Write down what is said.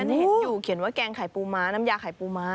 ดีเขียนว่าแกงไข่ปูม้าน้ำยาไข่ปูม้า